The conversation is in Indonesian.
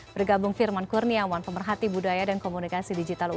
bergabung firman kurniawan pemerhati budaya dan komunikasi digital ui